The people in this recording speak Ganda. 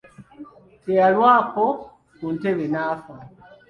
Teyalwako ku ntebe n'afa.